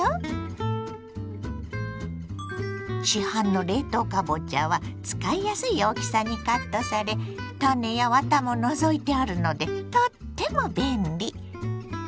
市販の冷凍かぼちゃは使いやすい大きさにカットされ種やワタも除いてあるのでとっても便利。